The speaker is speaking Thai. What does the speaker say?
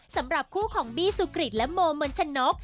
สำหรับคู่ของบี้สุกริตและโมมนชนก